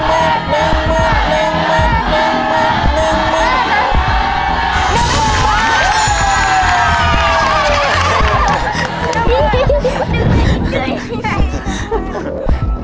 ไม่ออกไปเลย